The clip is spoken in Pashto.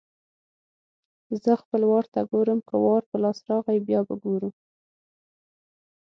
زه خپل وار ته ګورم؛ که وار په لاس راغی - بیا به ګورو.